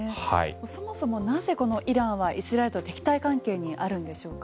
そもそもなぜイランはイスラエルと敵対関係にあるんでしょうか？